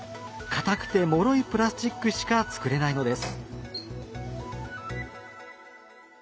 かたくてもろいプラスチックしか作れないのです。